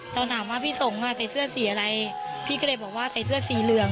ตอนถามว่าพี่สงฆ์อ่ะใส่เสื้อสีอะไรพี่ก็เลยบอกว่าใส่เสื้อสีเหลือง